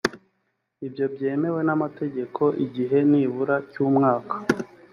ibyo byemewe n’amategeko igihe nibura cy’umwaka